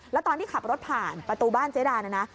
แล้วตอนที่ขับรถผ่านประตูบ้านเจ๊ดานะนะ